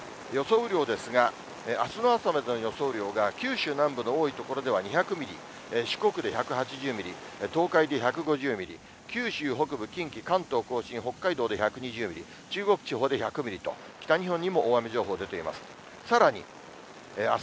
雨量が、九州南部の多い所では２００ミリ、四国で１８０ミリ、東海で１５０ミリ、九州北部、近畿、関東甲信、北海道で１２０ミリ、中国地方で１００ミリと、北日本にも大雨情報、出ています。